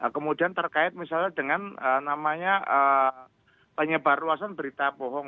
kemudian terkait misalnya dengan namanya penyebar ruasan berita bohong